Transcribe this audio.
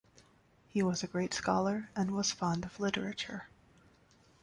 He was a great scholar and was fond of literature.